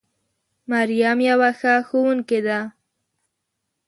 مريم يوه ښه ښوونکې ده